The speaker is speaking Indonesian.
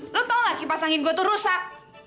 lo tau gak kipas angin gue tuh rusak